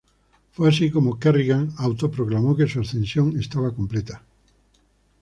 Fue así como Kerrigan auto proclamó que su Ascensión estaba completa.